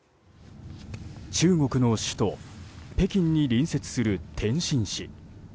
中国の首都・北京に隣接する天津市。